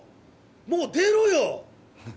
もう出ろよ！